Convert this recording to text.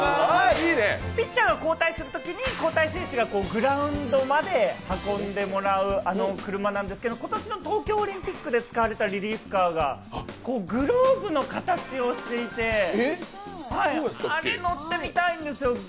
ピッチャーが交代するときに交代選手がグラウンドまで運んでもらう車なんですけど、今年の東京オリンピックで使われたリリーフカーがグローブの形をしていてあれ、乗ってみたいんですよ。